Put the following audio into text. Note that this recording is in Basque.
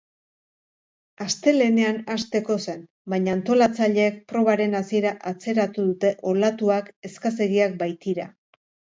Astelehenean hasteko zen, baina antolatzaileek probaren hasiera atzeratu dute olatuak eskasegiak baitira.